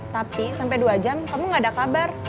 tapi sampai dua jam kamu gak ada kabar